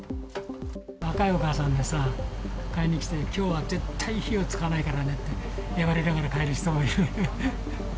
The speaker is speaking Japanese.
若いお母さんが買いに来て、きょうは絶対火を使わないからねって言いながら帰る人もいる。